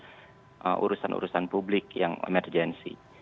untuk menjaga kemampuan urusan urusan publik yang emergensi